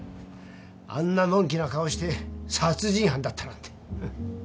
あんなのんきな顔して殺人犯だったなんて。